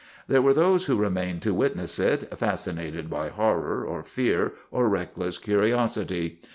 There were those who remained to witness it, fascinated by horror or fear or reckless curiosity.